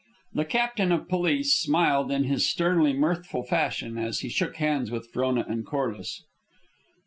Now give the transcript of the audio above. The captain of police smiled in his sternly mirthful fashion as he shook hands with Frona and Corliss.